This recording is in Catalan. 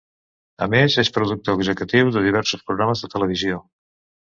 A més és productor executiu de diversos programes de televisió.